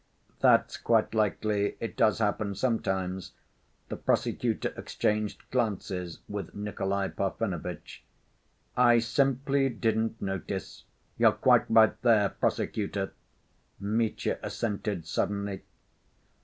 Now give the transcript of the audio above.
"That's quite likely. It does happen sometimes." The prosecutor exchanged glances with Nikolay Parfenovitch. "I simply didn't notice. You're quite right there, prosecutor," Mitya assented suddenly.